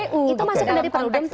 itu masuk ke dalam konteks itu